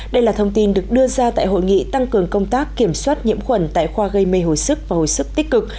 đây là thông tin được đưa ra tại hội nghị tăng cường công tác kiểm soát nhiễm khuẩn tại khoa gây mê hồi sức và hồi sức tích cực